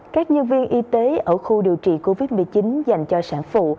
các nhân viên y tế ở khu điều trị covid một mươi chín dành cho sản phụ